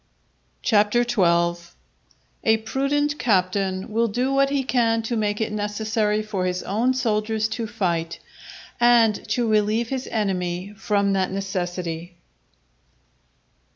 CHAPTER XII.—_A prudent Captain will do what he can to make it necessary for his own Soldiers to fight, and to relieve his Enemy from that necessity.